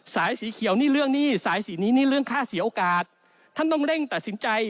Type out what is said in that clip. สายสีเขียวนี่เรื่องหนี้สายสีนี้นี่เรื่องค่าเสียโอกาสท่านต้องเร่งตัดสินใจ